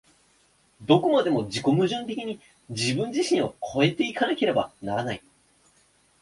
どこまでも自己矛盾的に自己自身を越え行かなければならない。